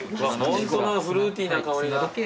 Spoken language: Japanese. ホントだフルーティーな香りが。